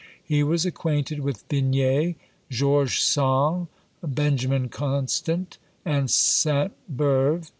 He was acquainted with Vinet, George Sand, Benjamin Constant and Sainte Beuve.